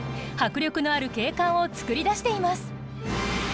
迫力のある景観をつくり出しています。